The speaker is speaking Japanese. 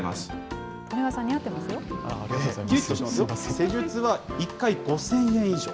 施術は１回５０００円以上。